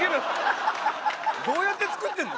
どうやって作ってるの？